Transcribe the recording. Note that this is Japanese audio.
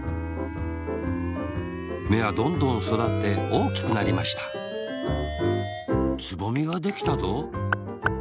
めはどんどんそだっておおきくなりましたつぼみができたぞ。